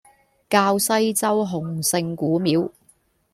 滘西洲洪聖古廟